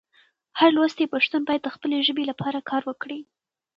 هر لوستی پښتون باید د خپلې ژبې لپاره کار وکړي.